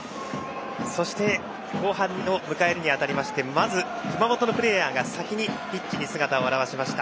そして後半を迎えるにあたりましてまず熊本のプレーヤーが先にピッチに姿を現しました。